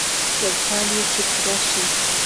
يو کال يې چې پوره شي.